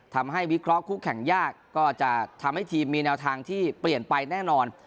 วิเคราะห์คู่แข่งยากก็จะทำให้ทีมมีแนวทางที่เปลี่ยนไปแน่นอน